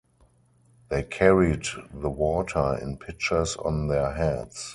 They carried the water in pitchers on their heads.